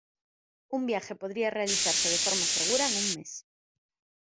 Un viaje podría realizarse de forma segura en un mes.